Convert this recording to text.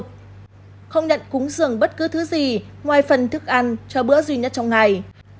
không nhận cúng dường bất cứ thứ gì ngoài phần thức ăn cho bữa duy nhất trong ngày